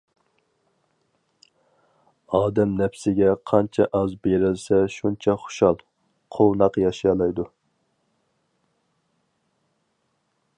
ئادەم نەپسىگە قانچە ئاز بېرىلسە، شۇنچە خۇشال، قۇۋناق ياشىيالايدۇ.